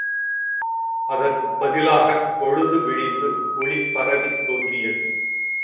அதற்குப் பதிலாகப் பொழுது விடிந்து ஒளிபரவித் தோன்றியது.